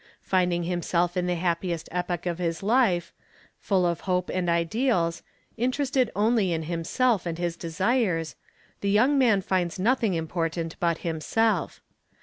Finding himself in the happiest epoch of his life, full of hope and ideals, interested only in himself and his desires, the 'yo ng man finds nothing important but himself.